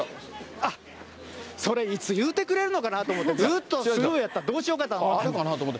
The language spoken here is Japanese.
あっ、それいつ言うてくれるかなと思って、ずっとスルーやったらどうしようかと思った。